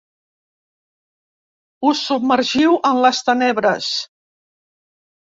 Us submergiu en les tenebres.